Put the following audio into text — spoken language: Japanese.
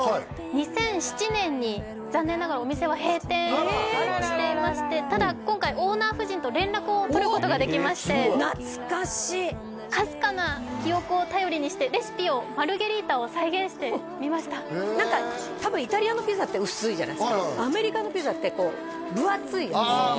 ２００７年に残念ながらお店は閉店していましてただ今回オーナー夫人と連絡を取ることができましてすごい懐かしいかすかな記憶を頼りにしてレシピをマルゲリータを再現してみました何か多分イタリアのピザって薄いじゃないですかアメリカのピザってこう分厚いああ